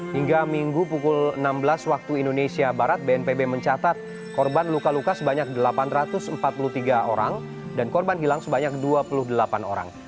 hingga minggu pukul enam belas waktu indonesia barat bnpb mencatat korban luka luka sebanyak delapan ratus empat puluh tiga orang dan korban hilang sebanyak dua puluh delapan orang